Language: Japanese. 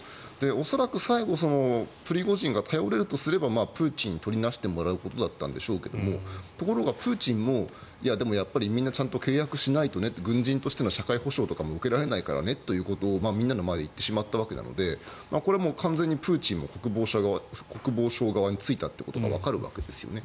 恐らく最後プリゴジンが頼れるとすればプーチンにとりなしてもらうことだったんでしょうけどところがプーチンもやっぱりみんなちゃんと契約しないとねと軍人としての社会保障とかも受けられないからねということをみんなの前で言ってしまったので完全にプーチンも国防省側についたことがわかるわけですね。